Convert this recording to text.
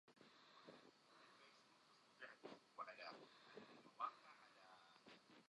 لەم بەینەدا کە لە لێوژە بووین، شەوێک باران دەباری